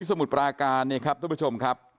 สมุทรปราการเนี่ยครับทุกผู้ชมครับ